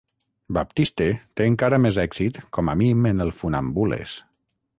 Baptiste té encara més èxit com a mim en el Funambules.